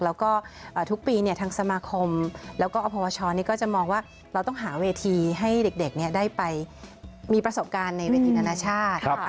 แล้วก็ทุกปีทางสมาคมแล้วก็อพวชก็จะมองว่าเราต้องหาเวทีให้เด็กได้ไปมีประสบการณ์ในเวทีนานาชาติ